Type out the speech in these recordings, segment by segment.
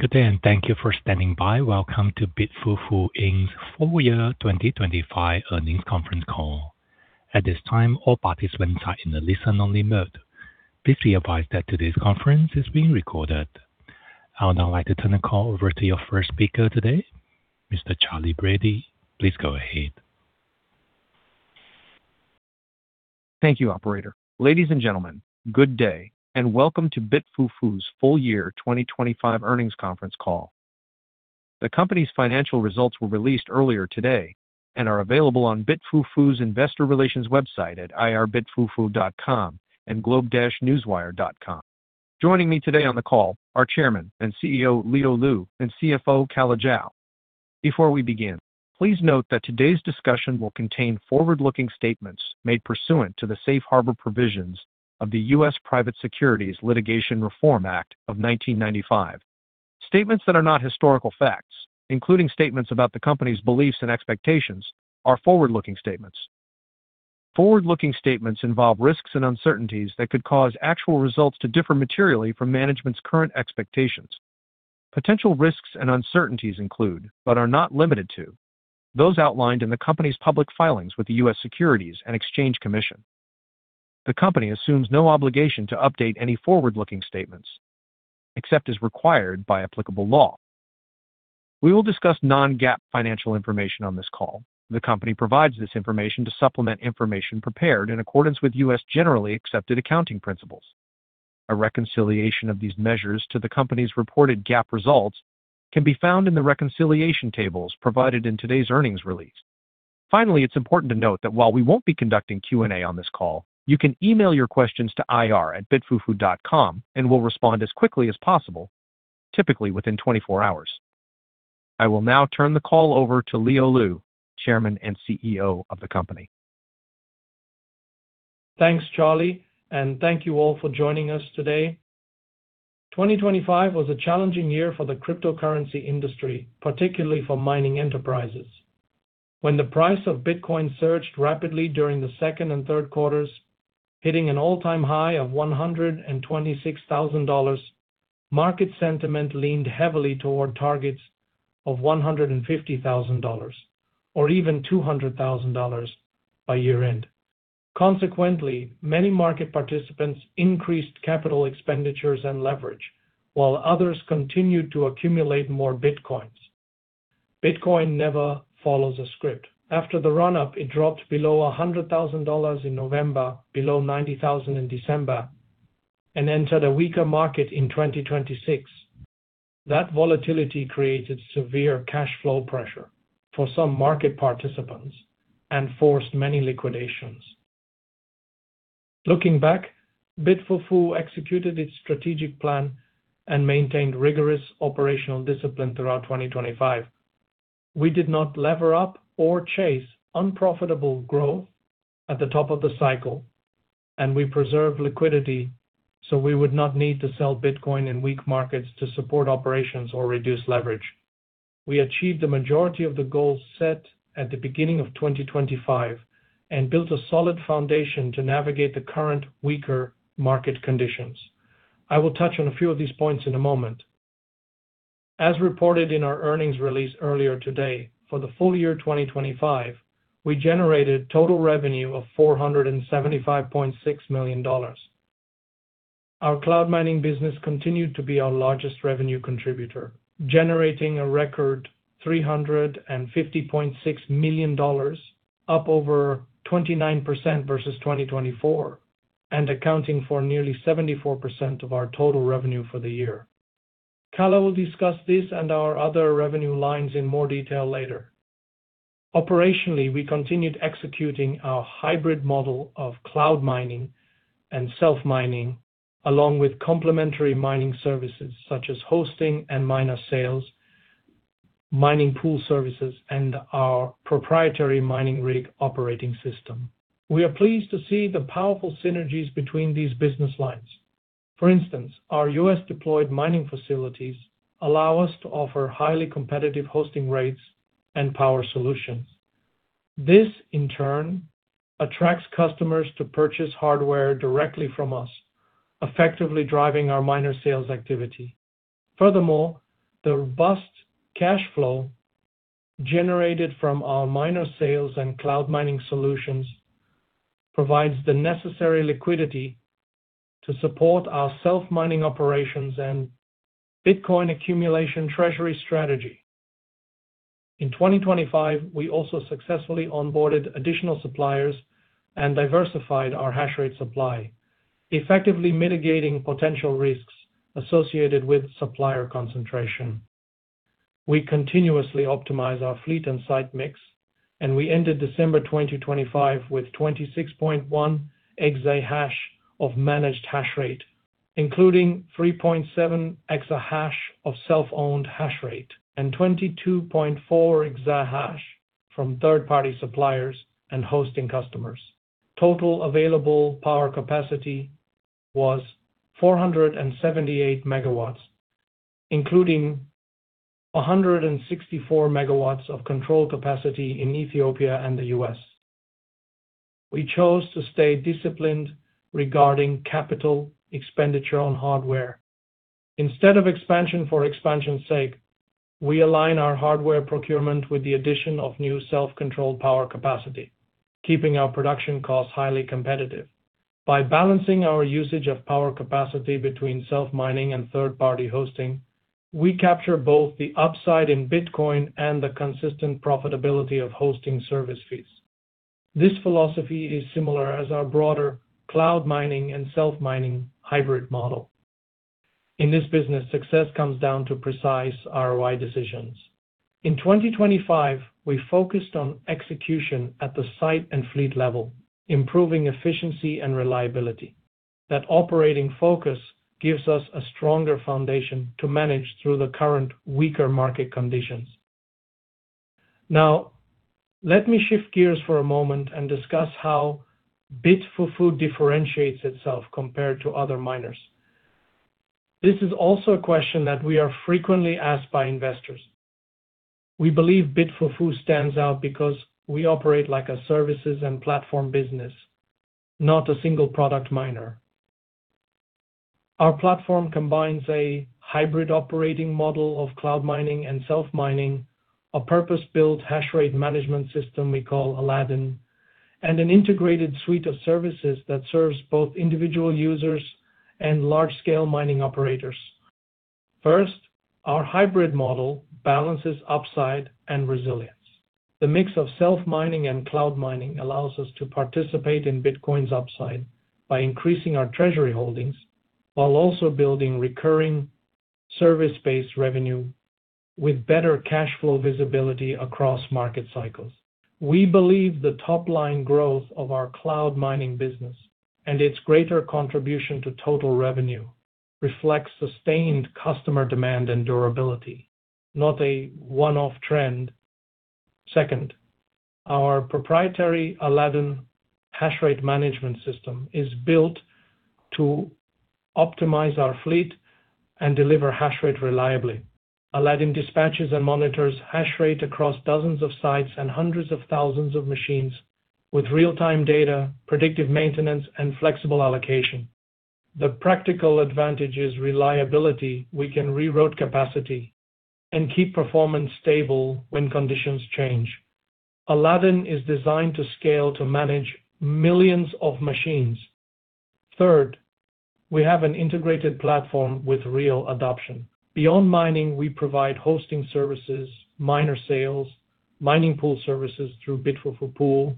Good day, and thank you for standing by. Welcome to BitFuFu Inc's full year 2025 earnings conference call. At this time, all participants are in a listen-only mode. Please be advised that today's conference is being recorded. I would now like to turn the call over to your first speaker today, Mr. Charley Brady. Please go ahead. Thank you, operator. Ladies and gentlemen, good day, and welcome to BitFuFu's full year 2025 earnings conference call. The company's financial results were released earlier today and are available on BitFuFu's investor relations website at ir.bitfufu.com and globenewswire.com. Joining me today on the call are Chairman and CEO Leo Lu, and CFO Calla Zhao. Before we begin, please note that today's discussion will contain forward-looking statements made pursuant to the safe harbor provisions of the U.S. Private Securities Litigation Reform Act of 1995. Statements that are not historical facts, including statements about the company's beliefs and expectations, are forward-looking statements. Forward-looking statements involve risks and uncertainties that could cause actual results to differ materially from management's current expectations. Potential risks and uncertainties include, but are not limited to, those outlined in the company's public filings with the U.S. Securities and Exchange Commission. The company assumes no obligation to update any forward-looking statements except as required by applicable law. We will discuss non-GAAP financial information on this call. The company provides this information to supplement information prepared in accordance with U.S. generally accepted accounting principles. A reconciliation of these measures to the company's reported GAAP results can be found in the reconciliation tables provided in today's earnings release. Finally, it's important to note that while we won't be conducting Q&A on this call, you can email your questions to ir@bitfufu.com, and we'll respond as quickly as possible, typically within 24 hours. I will now turn the call over to Leo Lu, Chairman and CEO of the company. Thanks, Charley, and thank you all for joining us today. 2025 was a challenging year for the cryptocurrency industry, particularly for mining enterprises. When the price of Bitcoin surged rapidly during the second and third quarters, hitting an all-time high of $126,000, market sentiment leaned heavily toward targets of $150,000 or even $200,000 by year-end. Consequently, many market participants increased capital expenditures and leverage, while others continued to accumulate more Bitcoins. Bitcoin never follows a script. After the run-up, it dropped below $100,000 in November, below $90,000 in December, and entered a weaker market in 2026. That volatility created severe cash flow pressure for some market participants and forced many liquidations. Looking back, BitFuFu executed its strategic plan and maintained rigorous operational discipline throughout 2025. We did not lever up or chase unprofitable growth at the top of the cycle, and we preserved liquidity, so we would not need to sell Bitcoin in weak markets to support operations or reduce leverage. We achieved the majority of the goals set at the beginning of 2025 and built a solid foundation to navigate the current weaker market conditions. I will touch on a few of these points in a moment. As reported in our earnings release earlier today, for the full year 2025, we generated total revenue of $475.6 million. Our cloud mining business continued to be our largest revenue contributor, generating a record $350.6 million, up over 29% versus 2024, and accounting for nearly 74% of our total revenue for the year. Calla will discuss this and our other revenue lines in more detail later. Operationally, we continued executing our hybrid model of cloud mining and self-mining, along with complementary mining services such as hosting and miner sales, mining pool services, and our proprietary mining rig operating system. We are pleased to see the powerful synergies between these business lines. For instance, our U.S.-deployed mining facilities allow us to offer highly competitive hosting rates and power solutions. This, in turn, attracts customers to purchase hardware directly from us, effectively driving our miner sales activity. Furthermore, the robust cash flow generated from our miner sales and cloud mining solutions provides the necessary liquidity to support our self-mining operations and Bitcoin accumulation treasury strategy. In 2025, we also successfully onboarded additional suppliers and diversified our hash rate supply, effectively mitigating potential risks associated with supplier concentration. We continuously optimize our fleet and site mix, and we ended December 2025 with 26.1 exahash of managed hash rate, including 3.7 exahash of self-owned hash rate and 22.4 exahash from third-party suppliers and hosting customers. Total available power capacity was 478 MW, including 164 MW of controlled capacity in Ethiopia and the U.S. We chose to stay disciplined regarding capital expenditure on hardware. Instead of expansion for expansion's sake, we align our hardware procurement with the addition of new self-controlled power capacity, keeping our production costs highly competitive. By balancing our usage of power capacity between self-mining and third-party hosting, we capture both the upside in Bitcoin and the consistent profitability of hosting service fees. This philosophy is similar as our broader cloud mining and self-mining hybrid model. In this business, success comes down to precise ROI decisions. In 2025, we focused on execution at the site and fleet level, improving efficiency and reliability. That operating focus gives us a stronger foundation to manage through the current weaker market conditions. Now, let me shift gears for a moment and discuss how BitFuFu differentiates itself compared to other miners. This is also a question that we are frequently asked by investors. We believe BitFuFu stands out because we operate like a services and platform business, not a single product miner. Our platform combines a hybrid operating model of cloud mining and self-mining, a purpose-built hashrate management system we call Aladdin, and an integrated suite of services that serves both individual users and large-scale mining operators. First, our hybrid model balances upside and resilience. The mix of self-mining and cloud mining allows us to participate in Bitcoin's upside by increasing our treasury holdings while also building recurring service-based revenue with better cash flow visibility across market cycles. We believe the top-line growth of our cloud mining business and its greater contribution to total revenue reflects sustained customer demand and durability, not a one-off trend. Second, our proprietary Aladdin hashrate management system is built to optimize our fleet and deliver hashrate reliably. Aladdin dispatches and monitors hashrate across dozens of sites and hundreds of thousands of machines with real-time data, predictive maintenance, and flexible allocation. The practical advantage is reliability. We can reroute capacity and keep performance stable when conditions change. Aladdin is designed to scale to manage millions of machines. Third, we have an integrated platform with real adoption. Beyond mining, we provide hosting services, miner sales, mining pool services through BitFuFu Pool,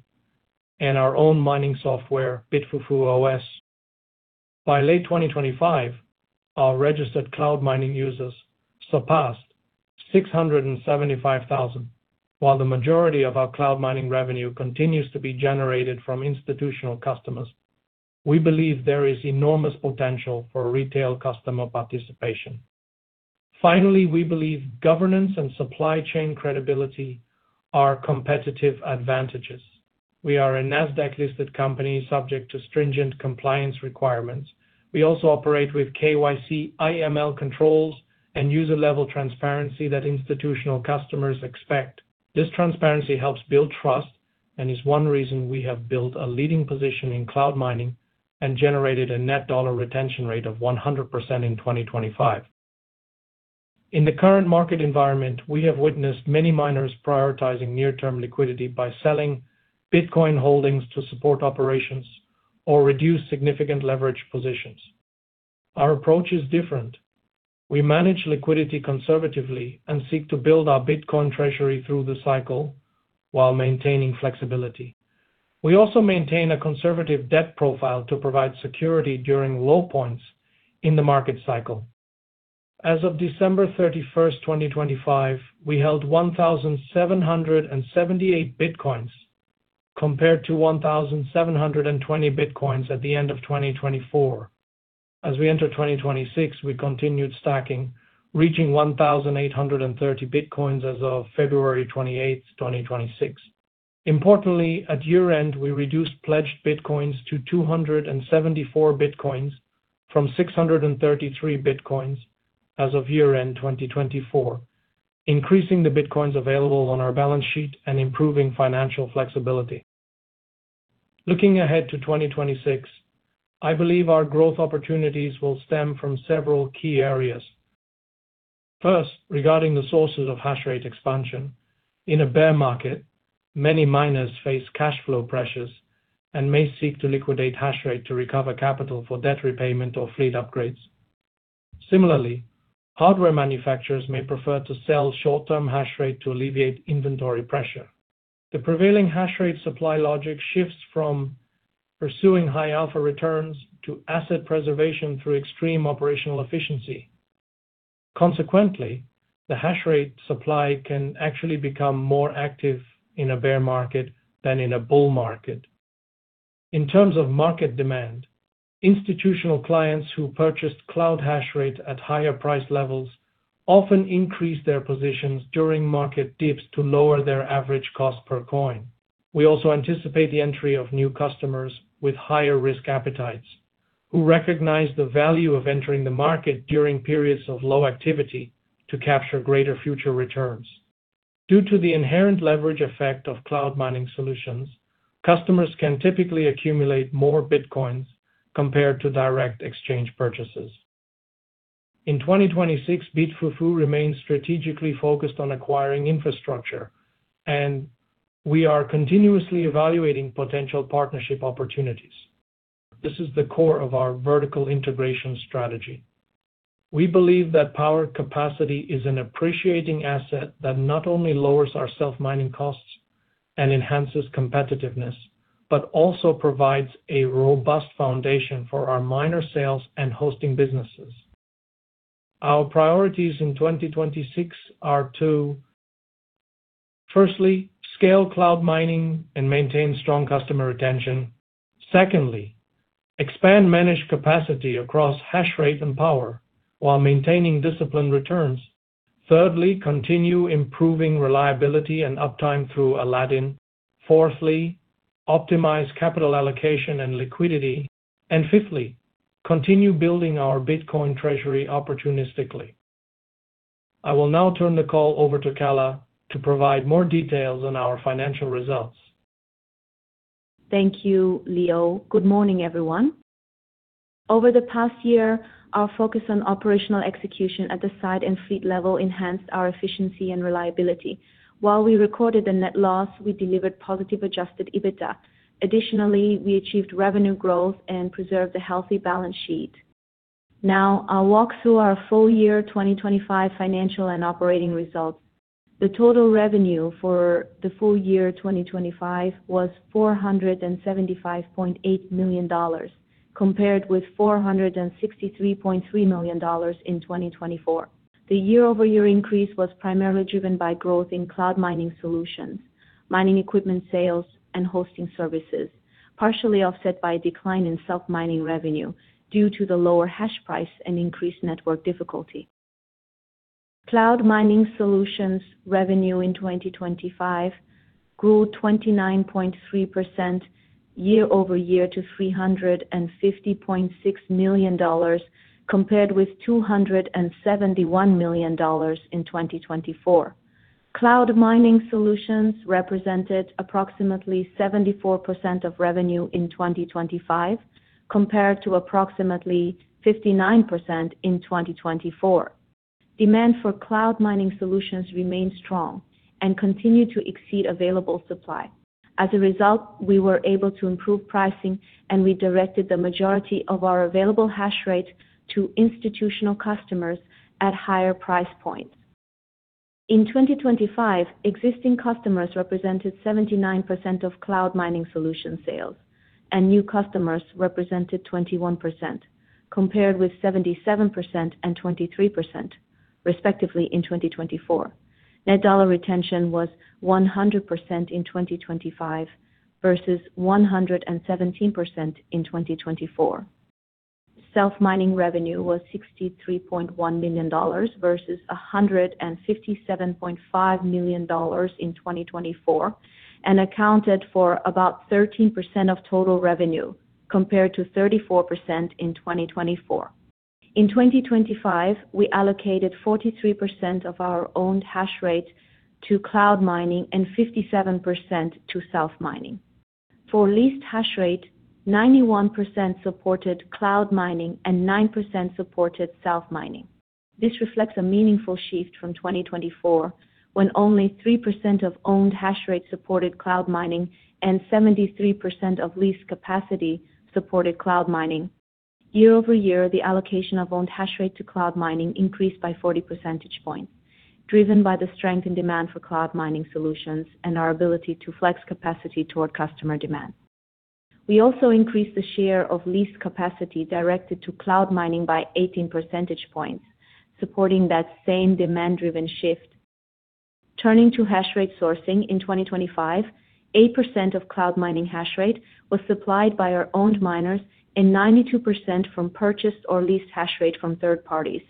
and our own mining software, BitFuFuOS. By late 2025, our registered cloud mining users surpassed 675,000. While the majority of our cloud mining revenue continues to be generated from institutional customers, we believe there is enormous potential for retail customer participation. Finally, we believe governance and supply chain credibility are competitive advantages. We are a Nasdaq-listed company subject to stringent compliance requirements. We also operate with KYC, AML controls, and user-level transparency that institutional customers expect. This transparency helps build trust and is one reason we have built a leading position in cloud mining and generated a net dollar retention rate of 100% in 2025. In the current market environment, we have witnessed many miners prioritizing near-term liquidity by selling Bitcoin holdings to support operations or reduce significant leverage positions. Our approach is different. We manage liquidity conservatively and seek to build our Bitcoin treasury through the cycle while maintaining flexibility. We also maintain a conservative debt profile to provide security during low points in the market cycle. As of December 31, 2025, we held 1,778 Bitcoins compared to 1,720 Bitcoins at the end of 2024. As we enter 2026, we continued stacking, reaching 1,830 Bitcoins as of February 28, 2026. Importantly, at year-end, we reduced pledged Bitcoins to 274 Bitcoins from 633 Bitcoins as of year-end, 2024, increasing the Bitcoins available on our balance sheet and improving financial flexibility. Looking ahead to 2026, I believe our growth opportunities will stem from several key areas. First, regarding the sources of hashrate expansion. In a bear market, many miners face cash flow pressures and may seek to liquidate hashrate to recover capital for debt repayment or fleet upgrades. Similarly, hardware manufacturers may prefer to sell short-term hashrate to alleviate inventory pressure. The prevailing hashrate supply logic shifts from pursuing high alpha returns to asset preservation through extreme operational efficiency. Consequently, the hashrate supply can actually become more active in a bear market than in a bull market. In terms of market demand, institutional clients who purchased cloud hash rate at higher price levels often increase their positions during market dips to lower their average cost per coin. We also anticipate the entry of new customers with higher risk appetites who recognize the value of entering the market during periods of low activity to capture greater future returns. Due to the inherent leverage effect of cloud mining solutions, customers can typically accumulate more Bitcoins compared to direct exchange purchases. In 2026, BitFuFu remains strategically focused on acquiring infrastructure, and we are continuously evaluating potential partnership opportunities. This is the core of our vertical integration strategy. We believe that power capacity is an appreciating asset that not only lowers our self-mining costs and enhances competitiveness, but also provides a robust foundation for our miner sales and hosting businesses. Our priorities in 2026 are to, firstly, scale cloud mining and maintain strong customer retention. Secondly, expand managed capacity across hash rate and power while maintaining disciplined returns. Thirdly, continue improving reliability and uptime through Aladdin. Fourthly, optimize capital allocation and liquidity. Fifthly, continue building our Bitcoin treasury opportunistically. I will now turn the call over to Calla to provide more details on our financial results. Thank you, Leo. Good morning, everyone. Over the past year, our focus on operational execution at the site and fleet level enhanced our efficiency and reliability. While we recorded a net loss, we delivered positive adjusted EBITDA. Additionally, we achieved revenue growth and preserved a healthy balance sheet. Now I'll walk through our full year 2025 financial and operating results. The total revenue for the full year 2025 was $475.8 million compared with $463.3 million in 2024. The year-over-year increase was primarily driven by growth in cloud mining solutions, mining equipment sales, and hosting services, partially offset by a decline in self-mining revenue due to the lower hash price and increased network difficulty. Cloud mining solutions revenue in 2025 grew 29.3% year-over-year to $350.6 million compared with $271 million in 2024. Cloud mining solutions represented approximately 74% of revenue in 2025 compared to approximately 59% in 2024. Demand for cloud mining solutions remained strong and continued to exceed available supply. As a result, we were able to improve pricing, and we directed the majority of our available hash rate to institutional customers at higher price points. In 2025, existing customers represented 79% of cloud mining solution sales, and new customers represented 21%, compared with 77% and 23%, respectively, in 2024. Net dollar retention was 100% in 2025 versus 117% in 2024. Self-mining revenue was $63.1 million versus $157.5 million in 2024 and accounted for about 13% of total revenue, compared to 34% in 2024. In 2025, we allocated 43% of our owned hash rate to cloud mining and 57% to self-mining. For leased hash rate, 91% supported cloud mining and 9% supported self-mining. This reflects a meaningful shift from 2024, when only 3% of owned hash rate supported cloud mining and 73% of leased capacity supported cloud mining. Year over year, the allocation of owned hash rate to cloud mining increased by 40 percentage points, driven by the strength in demand for cloud mining solutions and our ability to flex capacity toward customer demand. We also increased the share of leased capacity directed to cloud mining by 18 percentage points, supporting that same demand-driven shift. Turning to hash rate sourcing in 2025, 8% of cloud mining hash rate was supplied by our owned miners and 92% from purchased or leased hash rate from third parties.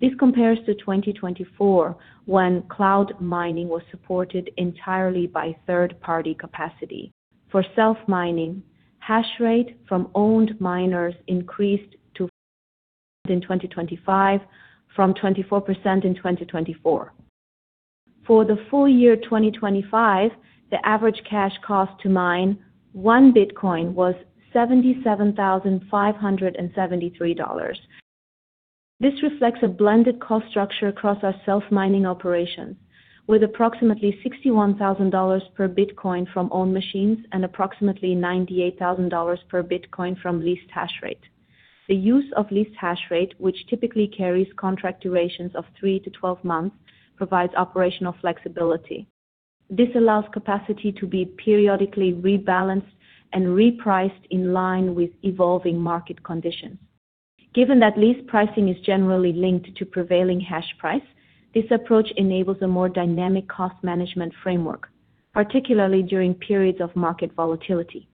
This compares to 2024, when cloud mining was supported entirely by third-party capacity. For self-mining, hash rate from owned miners increased to [55%] in 2025 from 24% in 2024. For the full year 2025, the average cash cost to mine one Bitcoin was $77,573. This reflects a blended cost structure across our self-mining operations with approximately $61,000 per Bitcoin from owned machines and approximately $98,000 per Bitcoin from leased hash rate. The use of leased hash rate, which typically carries contract durations of three to 12 months, provides operational flexibility. This allows capacity to be periodically rebalanced and repriced in line with evolving market conditions. Given that lease pricing is generally linked to prevailing hash price, this approach enables a more dynamic cost management framework, particularly during periods of market volatility.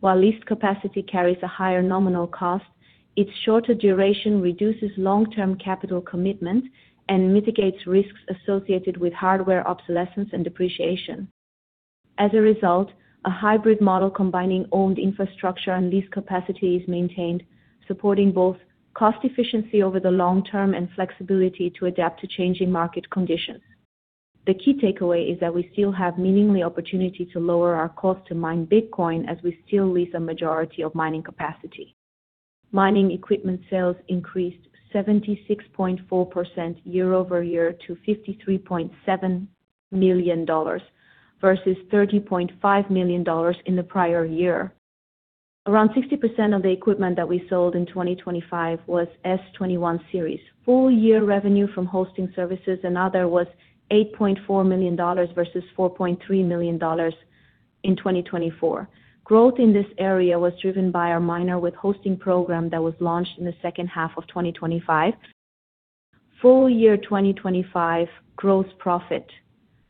While leased capacity carries a higher nominal cost, its shorter duration reduces long-term capital commitment and mitigates risks associated with hardware obsolescence and depreciation. As a result, a hybrid model combining owned infrastructure and lease capacity is maintained, supporting both cost efficiency over the long term and flexibility to adapt to changing market conditions. The key takeaway is that we still have meaningfully opportunity to lower our cost to mine Bitcoin as we still lease a majority of mining capacity. Mining equipment sales increased 76.4% year-over-year to $53.7 million, versus $30.5 million in the prior year. Around 60% of the equipment that we sold in 2025 was S21 series. Full year revenue from hosting services and other was $8.4 million versus $4.3 million in 2024. Growth in this area was driven by our miner with hosting program that was launched in the second half of 2025. Full year 2025 gross profit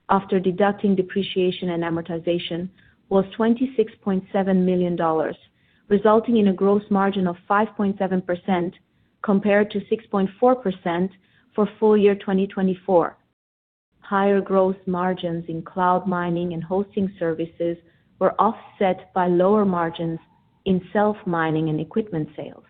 after deducting depreciation and amortization was $26.7 million, resulting in a gross margin of 5.7% compared to 6.4% for full year 2024. Higher gross margins in cloud mining and hosting services were offset by lower margins in self-mining and equipment sales.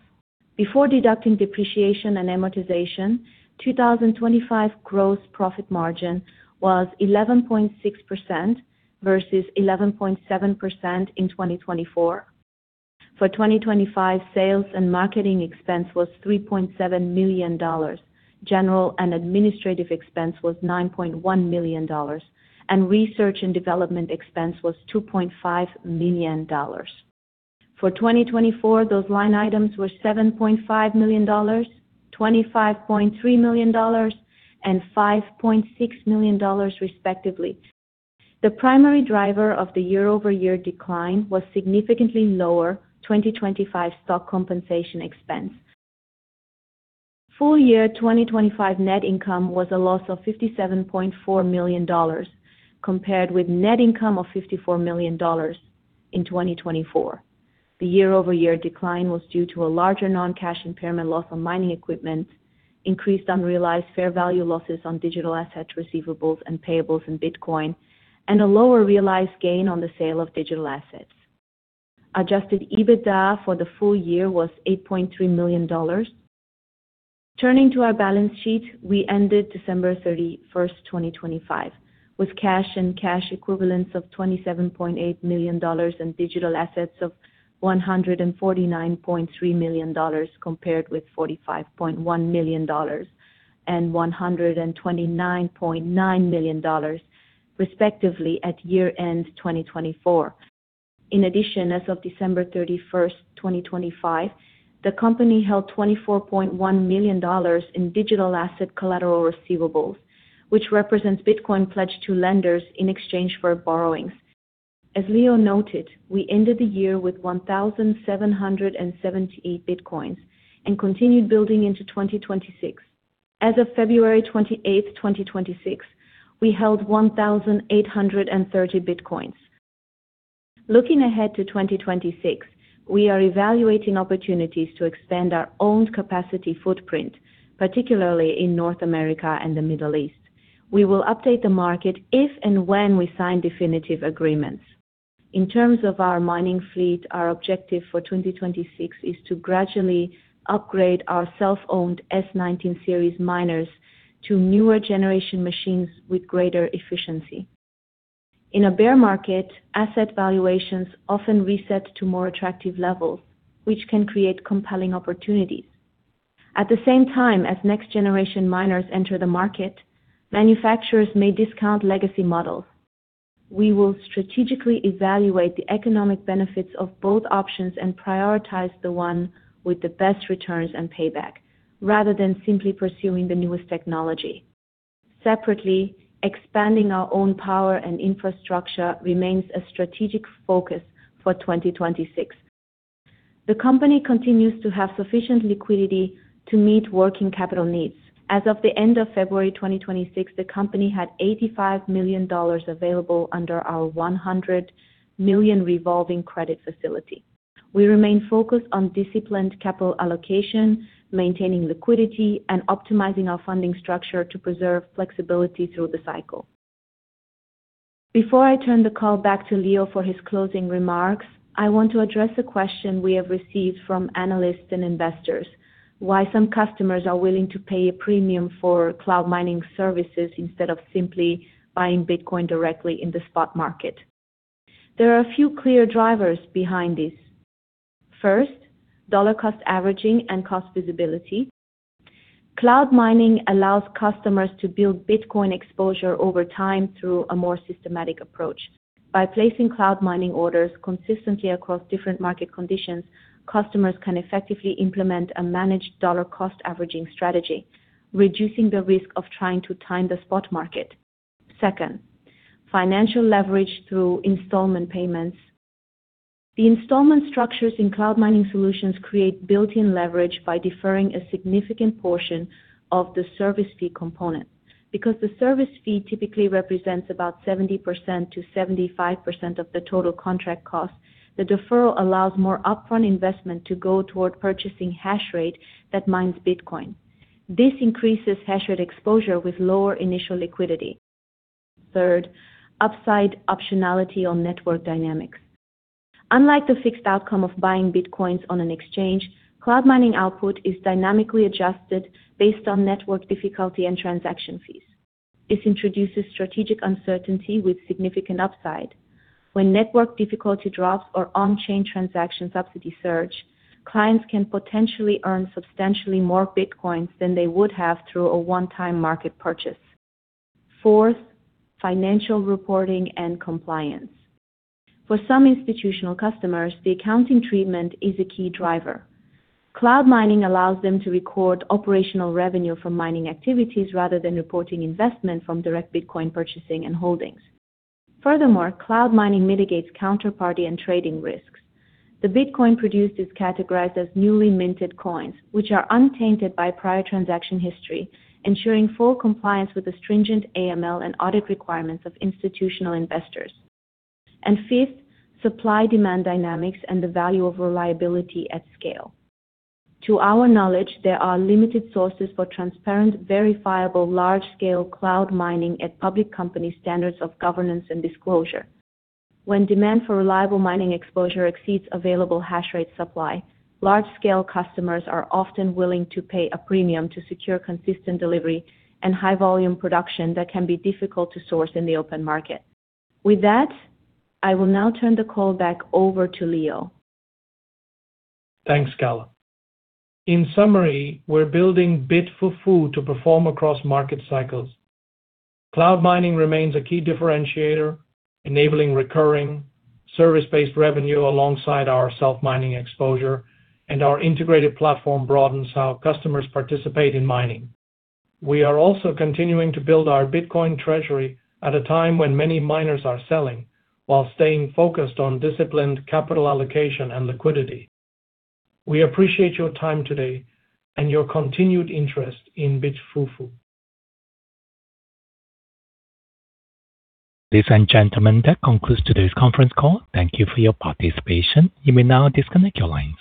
Before deducting depreciation and amortization, 2025 gross profit margin was 11.6% versus 11.7% in 2024. For 2025, sales and marketing expense was $3.7 million. General and administrative expense was $9.1 million, and research and development expense was $2.5 million. For 2024, those line items were $7.5 million, $25.3 million, and $5.6 million, respectively. The primary driver of the year-over-year decline was significantly lower 2025 stock compensation expense. Full year 2025 net income was a loss of $57.4 million, compared with net income of $54 million in 2024. The year-over-year decline was due to a larger non-cash impairment loss on mining equipment, increased unrealized fair value losses on digital asset receivables and payables in Bitcoin, and a lower realized gain on the sale of digital assets. Adjusted EBITDA for the full year was $8.3 million. Turning to our balance sheet, we ended December 31, 2025 with cash and cash equivalents of $27.8 million and digital assets of $149.3 million compared with $45.1 million and $129.9 million respectively at year-end 2024. In addition, as of December 31, 2025, the company held $24.1 million in digital asset collateral receivables, which represents Bitcoin pledged to lenders in exchange for borrowings. As Leo noted, we ended the year with 1,778 Bitcoins and continued building into 2026. As of February 28, 2026, we held 1,830 Bitcoins. Looking ahead to 2026, we are evaluating opportunities to expand our owned capacity footprint, particularly in North America and the Middle East. We will update the market if and when we sign definitive agreements. In terms of our mining fleet, our objective for 2026 is to gradually upgrade our self-owned S19 series miners to newer generation machines with greater efficiency. In a bear market, asset valuations often reset to more attractive levels, which can create compelling opportunities. At the same time, as next generation miners enter the market, manufacturers may discount legacy models. We will strategically evaluate the economic benefits of both options and prioritize the one with the best returns and payback, rather than simply pursuing the newest technology. Separately, expanding our own power and infrastructure remains a strategic focus for 2026. The company continues to have sufficient liquidity to meet working capital needs. As of the end of February 2026, the company had $85 million available under our $100 million revolving credit facility. We remain focused on disciplined capital allocation, maintaining liquidity, and optimizing our funding structure to preserve flexibility through the cycle. Before I turn the call back to Leo for his closing remarks, I want to address a question we have received from analysts and investors. Why some customers are willing to pay a premium for cloud mining services instead of simply buying Bitcoin directly in the spot market? There are a few clear drivers behind this. First, dollar cost averaging and cost visibility. Cloud mining allows customers to build Bitcoin exposure over time through a more systematic approach. By placing cloud mining orders consistently across different market conditions, customers can effectively implement a managed dollar cost averaging strategy, reducing the risk of trying to time the spot market. Second, financial leverage through installment payments. The installment structures in cloud mining solutions create built-in leverage by deferring a significant portion of the service fee component. Because the service fee typically represents about 70%-75% of the total contract cost, the deferral allows more upfront investment to go toward purchasing hash rate that mines Bitcoin. This increases hash rate exposure with lower initial liquidity. Third, upside optionality on network dynamics. Unlike the fixed outcome of buying Bitcoins on an exchange, cloud mining output is dynamically adjusted based on network difficulty and transaction fees. This introduces strategic uncertainty with significant upside. When network difficulty drops or on-chain transaction subsidy surge, clients can potentially earn substantially more Bitcoins than they would have through a one-time market purchase. Fourth, financial reporting and compliance. For some institutional customers, the accounting treatment is a key driver. Cloud mining allows them to record operational revenue from mining activities rather than reporting investment from direct Bitcoin purchasing and holdings. Furthermore, cloud mining mitigates counterparty and trading risks. The Bitcoin produced is categorized as newly minted coins, which are untainted by prior transaction history, ensuring full compliance with the stringent AML and audit requirements of institutional investors. Fifth, supply-demand dynamics and the value of reliability at scale. To our knowledge, there are limited sources for transparent, verifiable large-scale cloud mining at public company standards of governance and disclosure. When demand for reliable mining exposure exceeds available hash rate supply, large-scale customers are often willing to pay a premium to secure consistent delivery and high volume production that can be difficult to source in the open market. With that, I will now turn the call back over to Leo. Thanks, Calla. In summary, we're building BitFuFu to perform across market cycles. Cloud mining remains a key differentiator, enabling recurring service-based revenue alongside our self-mining exposure, and our integrated platform broadens how customers participate in mining. We are also continuing to build our Bitcoin treasury at a time when many miners are selling while staying focused on disciplined capital allocation and liquidity. We appreciate your time today and your continued interest in BitFuFu. Ladies and gentlemen, that concludes today's conference call. Thank you for your participation. You may now disconnect your lines.